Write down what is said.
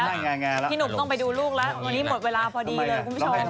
วันนี้หมดเวลาพอดีเลยคุณผู้ชม